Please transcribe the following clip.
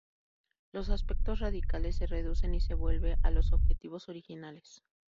Los aspectos radicales se reducen y se vuelve a los objetivos originales.